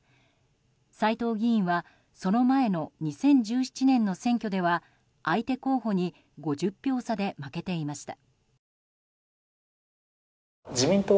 斎藤議員はその前の２０１７年の選挙では相手候補に５０票差で負けていました。